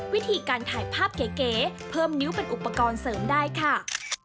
วิธีการถ่ายภาพเก๋เพิ่มนิ้วเป็นอุปกรณ์เสริมได้ค่ะ